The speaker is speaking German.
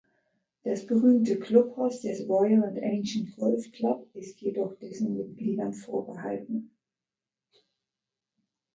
Das berühmte Clubhaus des Royal and Ancient Golf Club ist jedoch dessen Mitgliedern vorbehalten.